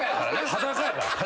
裸やから。